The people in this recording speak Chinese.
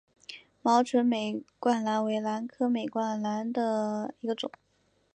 毛唇美冠兰为兰科美冠兰属下的一个种。